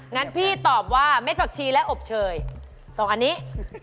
งั้นพี่ตอบว่าเม็ดผักชีและอบเชย๒อันนี้